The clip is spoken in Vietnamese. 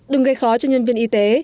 đừng gây khó cho nhân viên y tế